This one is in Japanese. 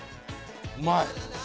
うまい。